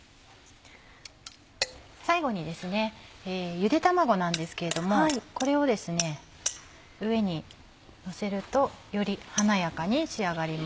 最後にゆで卵なんですけれどもこれを上にのせるとより華やかに仕上がります。